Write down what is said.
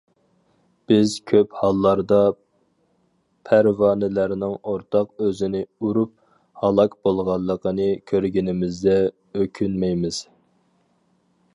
بىز كۆپ ھاللاردا پەرۋانىلەرنىڭ ئوتقا ئۆزىنى ئۇرۇپ، ھالاك بولغانلىقىنى كۆرگىنىمىزدە ئۆكۈنمەيمىز.